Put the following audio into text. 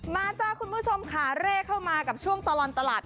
จ้าคุณผู้ชมค่ะเร่เข้ามากับช่วงตลอดตลาด